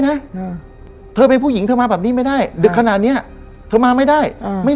ป้านิมบอกป้านิมบอกป้านิมบอกป้านิมบอกป้านิมบอก